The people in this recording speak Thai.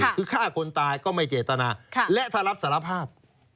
คือฆ่าคนตายก็ไม่เจตนาและถ้ารับสารภาพ